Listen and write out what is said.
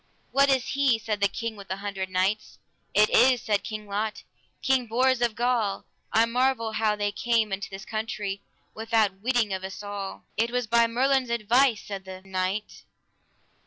What is he? said the King with the Hundred Knights. It is, said King Lot, King Bors of Gaul; I marvel how they came into this country without witting of us all. It was by Merlin's advice, said the knight.